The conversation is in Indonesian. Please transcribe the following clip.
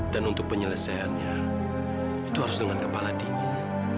dan untuk penyelesaiannya itu harus dengan kepala dingin